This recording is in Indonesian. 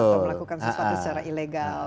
atau melakukan sesuatu secara ilegal